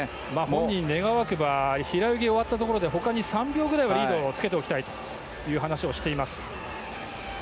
願わくば平泳ぎ終わったところで他に３秒ぐらいはリードをつけておきたいという話をしています。